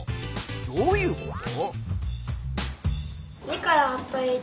どういうこと？